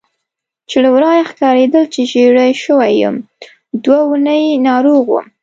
چې له ورایه ښکارېدل چې ژېړی شوی یم، دوه اونۍ ناروغ وم.